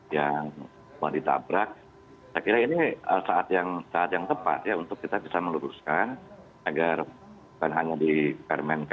yang boleh ditabrak